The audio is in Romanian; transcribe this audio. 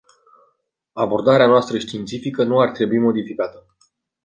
Abordarea noastră științifică nu ar trebui modificată.